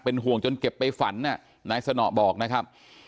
เป็นห่วงจนเก็บไปฝันน่ะนายสนอกบอกนะครับ